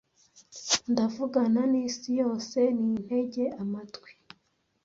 ndavugana n'isi yose nintege amatwi